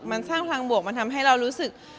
มันสร้างพลังบวกมันทำให้เรารู้สึก